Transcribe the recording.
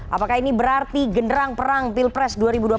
apakah ini berarti genderang perang pilpres dua ribu dua puluh